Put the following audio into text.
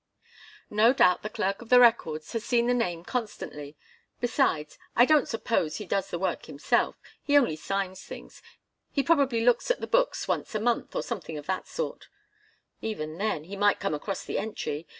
"No doubt the Clerk of the Records has seen the name constantly. Besides, I don't suppose he does the work himself. He only signs things. He probably looks at the books once a month, or something of that sort." "Even then he might come across the entry.